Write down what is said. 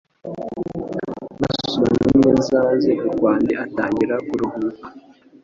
Basomanye neza maze Gakwandi atangira kuruhuka